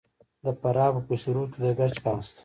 د فراه په پشت رود کې د ګچ کان شته.